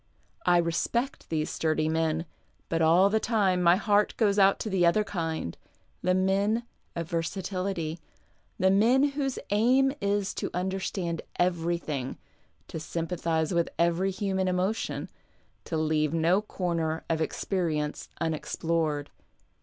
I respect these sturdy men, but all the time my heart goes out to the other kind, the men of versatility, the men whose aim is to under stand everything, to sympathize with every human emotion, to k'a\e no corner of experience unexplored.